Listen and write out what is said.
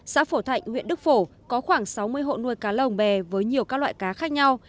xã phổ thạnh huyện đức phổ có khoảng sáu mươi hộ nuôi cá lồng bè với nhiều các loại cá khác nhau